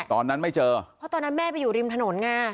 ตอนนั้นไม่เจอเพราะตอนนั้นแม่ไปอยู่ริมถนนไง